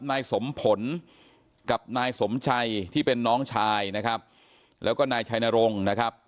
นายสมผลกับนายสมชัยที่เป็นน้องชายนะครับแล้วก็นายชัยนรงค์นะครับ